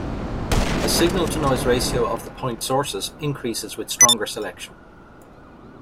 The signal to noise ratio of the point sources increases with stronger selection.